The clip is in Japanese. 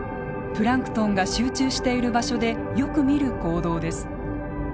プランクトンが集中している場所でよく見る行動です。